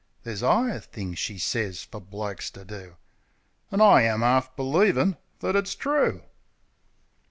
There's 'igher things, she sez, for blokes to do. An' I am 'arf believin' that it's true.